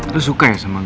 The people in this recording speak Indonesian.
lo suka ya sama gue